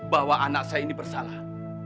bahwa anak saya ini bersalah